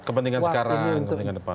kepentingan sekarang kepentingan depan